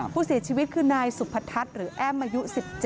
ผู้เสียชีวิตคือนายสุพทัศน์หรือแอ้มอายุ๑๗